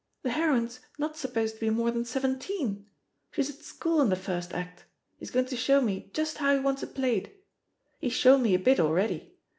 The heroine's not supposed to be more than seventeen — she's at school in the first act ; he's going to show me just how he wants it played. He's shown me a bit already.